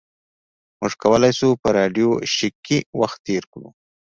موږ کولی شو په راډیو شیک کې وخت تیر کړو